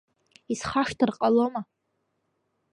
Исхашҭыр ҟалома…